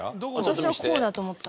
私はこうだと思った。